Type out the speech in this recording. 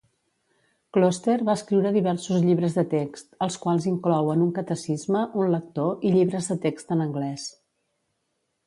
Kloster va escriure diversos llibres de text, els quals inclouen un catecisme, un lector i llibres de text en anglès.